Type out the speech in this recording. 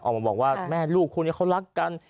ออกมาบอกว่าแม่ลูกคู่นี้เขารักกัน